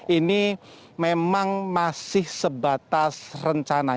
ini memang masih sebatas rencana